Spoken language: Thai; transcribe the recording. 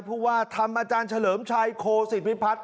ผู้ว่าทำอาจารย์เฉลิมชัยโคศิพิพัฒน์